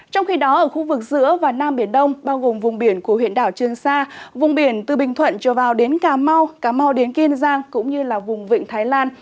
trong khi đó ở khu vực giữa và nam biển đông bao gồm vùng biển của huyện đảo trương sa vùng biển từ bình thuận trở vào đến cà mau cà mau đến kiên giang cũng như là vùng vịnh thái lan